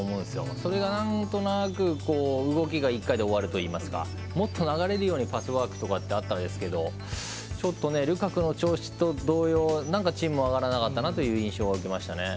それが、なんとなく動きが一回で終わるといいますかもっと流れるようにパスワークっていうのがあったんですけどちょっとルカクの調子と同様チームも上がらなかったという印象がありますね。